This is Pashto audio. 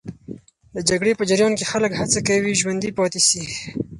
د جګړې په جریان کې خلک هڅه کوي ژوندي پاتې سي.